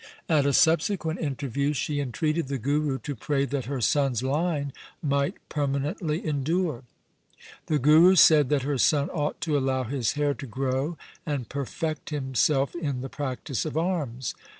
At a subsequent interview she entreated the Guru to pray that her son's line might permanently endure. The Guru said that her son ought to allow his hair to grow and perfect himself in the practice of arms.